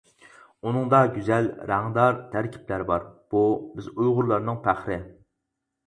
ئۇنىڭدا گۈزەل، رەڭدار تەركىبلەر بار، بۇ بىز ئۇيغۇرلارنىڭ پەخرى.